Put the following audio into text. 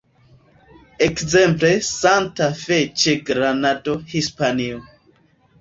Ekzemple Santa Fe ĉe Granado, Hispanio.